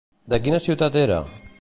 De quina ciutat era?